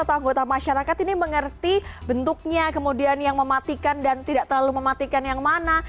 atau anggota masyarakat ini mengerti bentuknya kemudian yang mematikan dan tidak terlalu mematikan yang mana